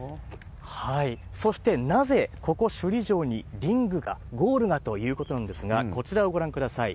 そして、なぜ、ここ首里城にリングが、ゴールがということなんですが、こちらをご覧ください。